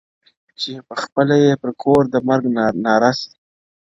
چي پخپله یې پر کور د مرګ ناره سي -